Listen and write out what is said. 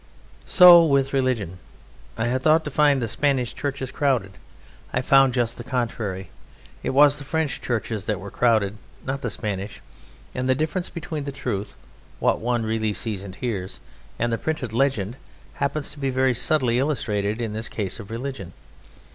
So with religion. I had thought to find the Spanish churches crowded. I found just the contrary. It was the French churches that were crowded, not the Spanish; and the difference between the truth what one really sees and hears and the printed legend happens to be very subtly illustrated in this case of religion.